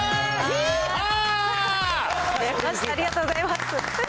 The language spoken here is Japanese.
ありがとうございます。